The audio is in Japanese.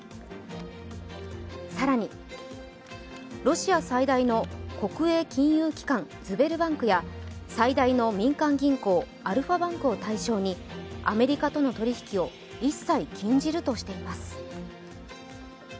更に、ロシア最大の国営金融機関ズベルバンクや最大の民間銀行アルファバンクを対象にアメリカとの取り引きを一切禁じるとしています。